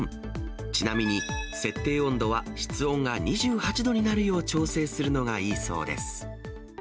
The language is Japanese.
ちなみに設定温度は室温が２８度になるよう調整するのがいいそうです。